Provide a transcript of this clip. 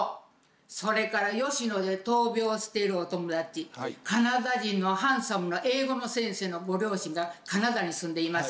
それから吉野で闘病しているお友達カナダ人のハンサムな英語の先生のご両親がカナダに住んでいます。